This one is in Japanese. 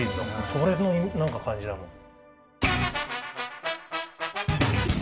それの何か感じだもん。